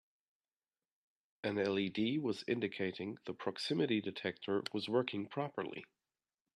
An LED was indicating the proximity detector was working properly.